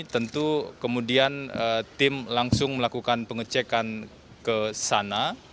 tentu kemudian tim langsung melakukan pengecekan ke sana